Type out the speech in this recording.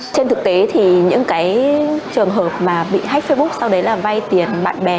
trên thực tế thì những cái trường hợp mà bị hách facebook sau đấy là vay tiền bạn bè